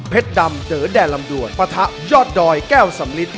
ดำเจอแดนลำด่วนปะทะยอดดอยแก้วสำลิด